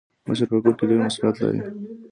مشر په کور کي ډير مسولیت لري.